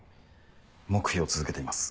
黙秘を続けています。